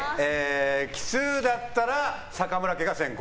奇数だったら坂村家が先攻。